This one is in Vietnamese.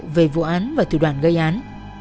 về vụ án và thủ đoàn gây án